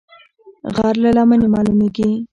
غر له لمنې مالومېږي